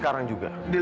kamu juga lihat